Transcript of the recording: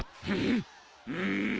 うん！？